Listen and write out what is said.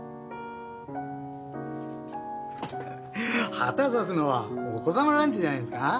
旗さすのはお子様ランチじゃないですか？